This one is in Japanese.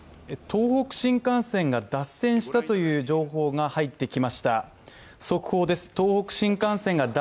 東北新幹線が脱線したという情報が入ってきました。